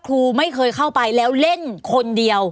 ครูไม่เคยเข้าไปแล้วเล่นคนเดียว